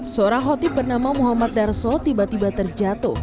seorang hotip bernama muhammad darso tiba tiba terjatuh